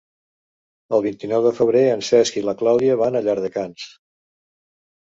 El vint-i-nou de febrer en Cesc i na Clàudia van a Llardecans.